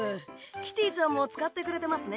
キティちゃんも使ってくれてますね。